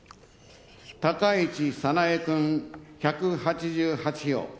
高市早苗君、１８８票。